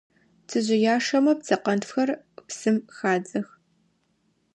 Пцэжъыяшэмэ пцэкъэнтфхэр псым хадзэх.